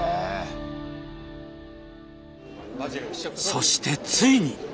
そしてついに！